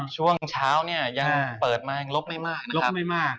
ช่วงเช้ายังเปิดมาอีกลบไม่มาก